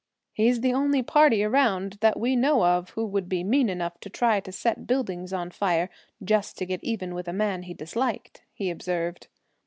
"He's the only party around that we know of who would be mean enough to try to set buildings on fire, just to get even with a man he disliked," he observed.